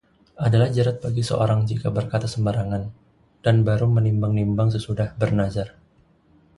Adalah jerat bagi seseorang jika berkata sembarangan, dan baru menimbang-nimbang sesudah bernazar.